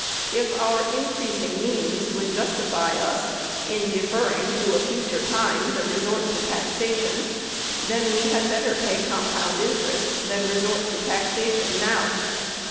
If our increasing means would justify us in deferring to a future time the resort to taxation, then we had better pay compound interest than resort to taxation now.